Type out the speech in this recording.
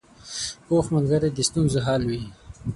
پوخ ملګری د ستونزو حل وي